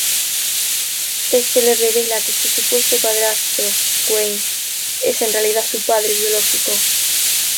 Éste le revela que su supuesto padrastro, Wayne, es en realidad su padre biológico.